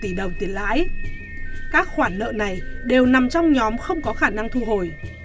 chín mươi ba tỷ đồng tiền lãi các khoản nợ này đều nằm trong nhóm không có khả năng thu hồi